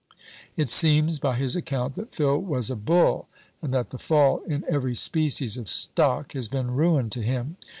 It seems, by his account, that Phil was a Bull, and that the fall in every species of stock has been ruin to him.